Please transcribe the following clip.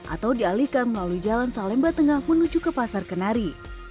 atau dialihkan melalui jalan salemba tengah menuju ke pasar kenari